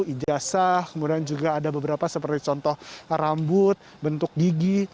ijasa kemudian juga ada beberapa seperti contoh rambut bentuk gigi